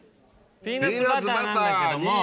ピーナッツバターなんだけども。